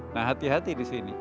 nah hati hati di sini